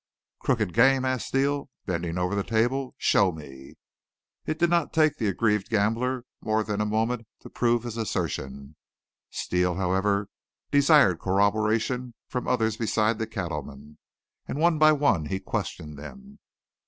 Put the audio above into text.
"Crooked game?" asked Steele, bending over the table. "Show me." It did not take the aggrieved gambler more than a moment to prove his assertion. Steele, however, desired corroboration from others beside the cattleman, and one by one he questioned them.